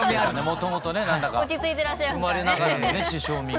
もともとね何だか生まれながらのね師匠味が。